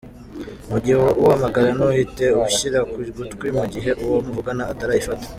Mu gihe uhamagara ntuhite ushyira ku gutwi mu gihe uwo muvugana atarayifata.